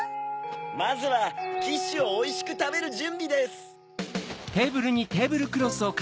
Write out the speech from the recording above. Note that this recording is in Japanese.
まずはキッシュをおいしくたべるじゅんびです。